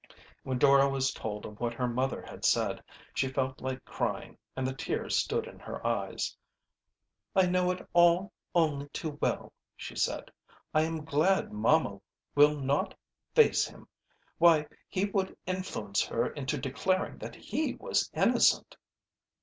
When Dora was told of what her mother had said, she felt like crying, and the tears stood in her eyes. "I know it all only too well," she said. "I am glad mamma mill not face him. Why, he would influence her into declaring that he was innocent!"